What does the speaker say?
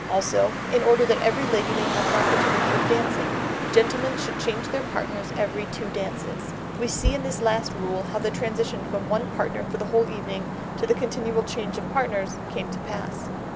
Also, in order that every lady may have an opportunity of dancing, gentlemen should change their partners every two dances. We see in this last rule how the transition from one partner for the whole evening to the continual change of partners came to pass.